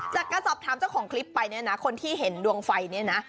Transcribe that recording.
จากการสอบถามเจ้าของคลิปไปเนี่ยนะคนที่เห็นดวงไฟเนี่ยนะ